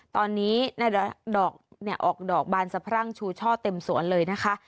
ตอนนี้ดอกออกดอกบานสะพรั่งชูช่อเต็มสวนเลยนะคะ